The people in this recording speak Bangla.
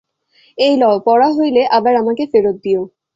এই লও, পড়া হইলে আবার আমাকে ফেরত দিয়ো।